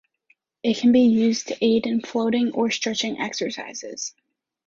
It can be used to aid in floating or stretching exercises.